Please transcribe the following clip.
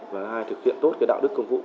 và thực hiện tốt đạo đức công vụ